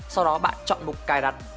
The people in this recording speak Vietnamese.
sau đó bạn chọn mục cài đặt